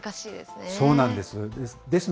そうなんです。